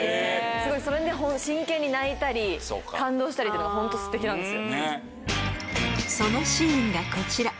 それで真剣に泣いたり感動したりっていうのがホントステキなんですよ。